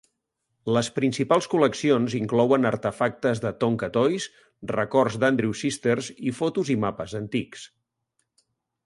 Les principals col·leccions inclouen artefactes de Tonka Toys, records d'Andrews Sisters i fotos i mapes antics.